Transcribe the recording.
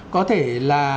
có thể là